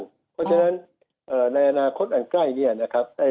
เพราะฉะนั้นในอนาคตอันใกล้เนี่ยนะครับ